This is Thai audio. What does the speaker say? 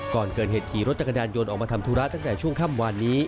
ก่อนเกิดเหตุขี่รถจักรยานยนต์ออกมาทำธุระตั้งแต่ช่วงค่ำวานนี้